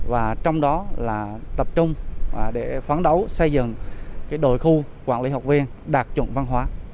và trong đó là tập trung để phán đấu xây dựng đội khu quản lý học viên đạt chủng văn hóa